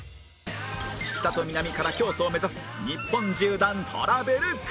北と南から京都を目指す日本縦断トラベルクイズ